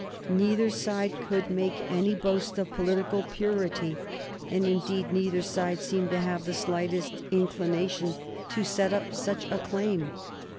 Neither side could make any boast of political purity, and indeed neither side seemed to have the slightest inclination to set up such a claim.